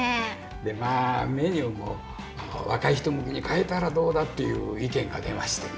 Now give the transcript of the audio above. でまあメニューも若い人向けに変えたらどうだっていう意見が出ましてね。